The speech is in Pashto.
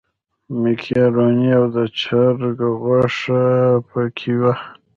مېکاروني او د چرګ غوښه په کې وه.